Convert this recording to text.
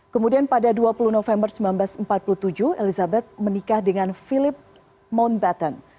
kemudian pada dua puluh november seribu sembilan ratus empat puluh tujuh elizabeth menikah dengan philip mountbatten